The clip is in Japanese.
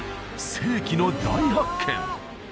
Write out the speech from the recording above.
世紀の大発見